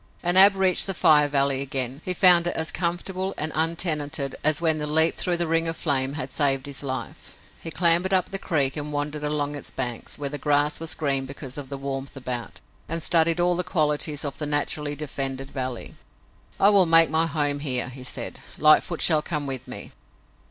And Ab reached the Fire Valley again. He found it as comfortable and untenanted as when the leap through the ring of flame had saved his life. He clambered up the creek and wandered along its banks, where the grass was green because of the warmth about, and studied all the qualities of the naturally defended valley. "I will make my home here," he said. "Lightfoot shall come with me."